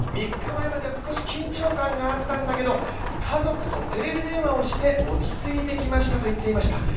３日前までは少し緊張感があったんだけど、家族とテレビ電話をして落ち着いてきましたと言っていました。